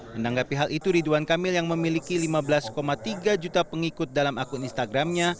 menanggapi hal itu ridwan kamil yang memiliki lima belas tiga juta pengikut dalam akun instagramnya